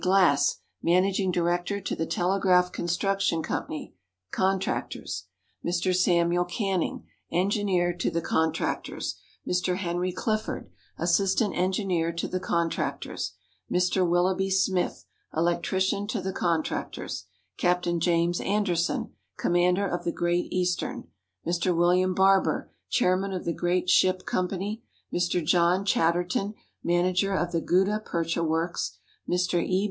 Glass, managing director to the Telegraph Construction Company (contractors); Mr. Samuel Canning, engineer to the contractors; Mr. Henry Clifford, assistant engineer to the contractors; Mr. Willoughby Smith, electrician to the contractors; Captain James Anderson, commander of the Great Eastern; Mr. William Barber, chairman of the Great Ship Company; Mr. John Chatterton, manager of the Gutta Percha Works; Mr. E. B.